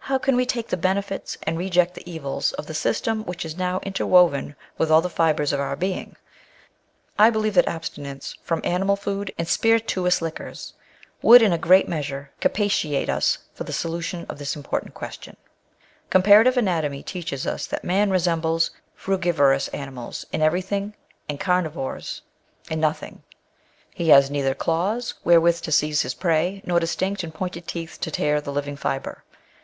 How can we take tbe benefits and reject tbe evils of tbe system wbicb is now interwoven witb all tbe fibres of our being ? I believe tbat abstinence from animal food and spirituous liquors would in a great measure capacitate us for tbe solution of tbis important question. Ck)mparative anatomy teacbes us tbat man resembles frugivorous animals in everything, and carnivorous in * ÂŦ Betum to Nataie." Cadell, 1811. Digitized by Google A VindiooiHon of Natural Diet. 13 nothing : he has neither olaws wherewith to seize his prey, nor distinct and pointed teeth to tear the living fibre.